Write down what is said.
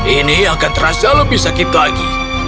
ini akan terasa lebih sakit lagi